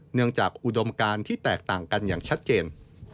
เนื่องจากอุดมการที่แตกต่างกันอย่างชัดเจน